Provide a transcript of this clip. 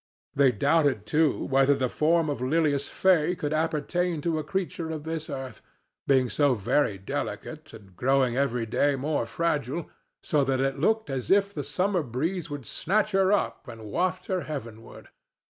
They doubted, too, whether the form of Lilias Fay could appertain to a creature of this earth, being so very delicate and growing every day more fragile, so that she looked as if the summer breeze should snatch her up and waft her heavenward.